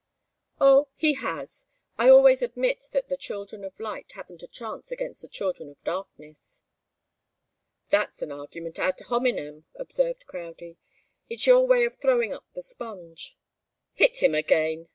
"Oh he has. I always admit that the children of light haven't a chance against the children of darkness." "That's an argument 'ad hominem,' " observed Crowdie. "It's your way of throwing up the sponge." "Hit him again!"